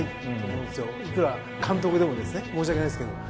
いくら監督でもですね申し訳ないですけど。